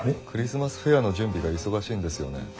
クリスマスフェアの準備が忙しいんですよね？